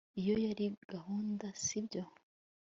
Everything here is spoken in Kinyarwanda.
iyo yari gahunda, sibyo